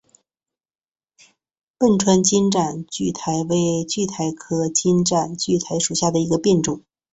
汶川金盏苣苔为苦苣苔科金盏苣苔属下的一个变种。